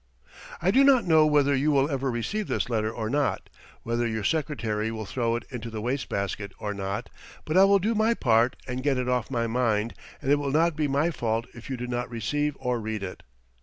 I do not know whether you will ever receive this letter or not, whether your secretary will throw it into the waste basket or not, but I will do my part and get it off my mind, and it will not be my fault if you do not receive or read it.